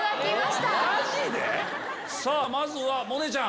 まずは萌音ちゃん。